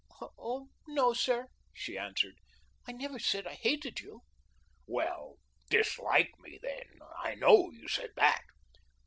"Oh, no, sir," she answered, "I never said I hated you." "Well, dislike me, then; I know you said that."